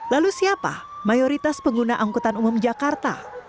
lalu siapa mayoritas pengguna angkutan umum jakarta